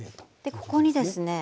でここにですね。